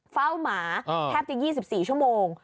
เฝ้าหมาแทบถึง๒๔ชั่วโมง